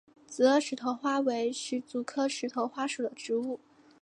紫萼石头花为石竹科石头花属的植物。